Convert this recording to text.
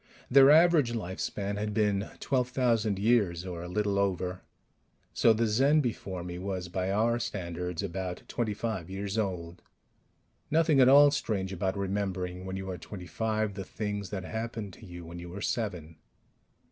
Their average lifespan had been 12,000 years or a little over. So the Zen before me was, by our standards, about twenty five years old. Nothing at all strange about remembering, when you are twenty five, the things that happened to you when you were seven